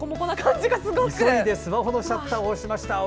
急いでスマホのシャッターを押しました。